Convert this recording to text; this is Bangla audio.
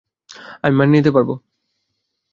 আমি মানিয়ে নিতে পারবো।